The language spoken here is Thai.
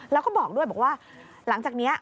แล้วก็บอกด้วยบอกว่าหลังจากนี้